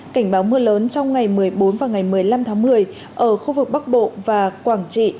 cảnh báo mưa lớn trong ngày một mươi bốn và ngày một mươi năm tháng một mươi ở khu vực bắc bộ và quảng trị